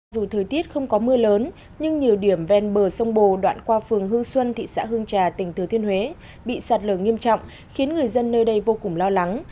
dù thời tiết không có mưa lớn nhưng nhiều điểm ven bờ sông bồ đoạn qua phường hương xuân thị xã hương trà tỉnh thừa thiên huế bị sạt lở nghiêm trọng khiến người dân nơi đây vô cùng lo lắng